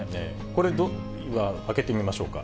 これ、開けてみましょうか。